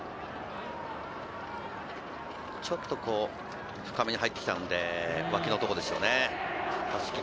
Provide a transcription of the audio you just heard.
ちょっと深めに入ってきたので脇のところですね。